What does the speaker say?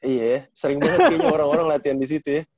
iya sering banget kayaknya orang orang latihan di situ ya